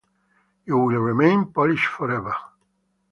You will remain Polish forever.